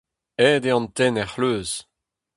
Aet eo an tenn er c'hleuz.